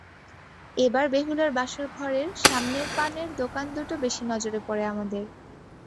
এবার বেহুলার বাসরঘরের সামনের পানের দোকান দুটো বেশি নজরে পড়ে আমাদের।